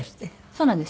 そうなんです。